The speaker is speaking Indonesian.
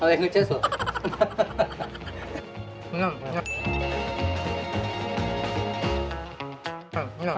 kalau yang ngeces loh